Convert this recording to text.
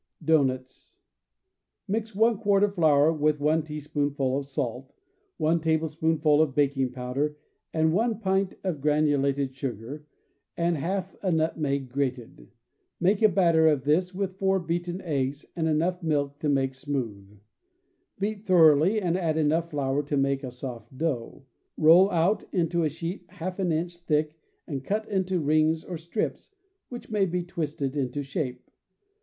Doughnuts. — Mix one quart of flour with one tea spoonful of salt, one tablespoonful of baking powder and one pint of granulated sugar, and half a nutmeg grated. Make a batter of this with four beaten eggs and enough milk to make smoothe. Beat thoroughly and add enough flour to make a soft dough. Roll out into a sheet half an inch thick and cut into rings or strips, which may be twisted into shape.